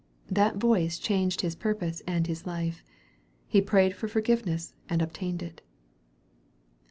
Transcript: That voice changed his purpose and his life. He prayed for forgiveness and obtained it.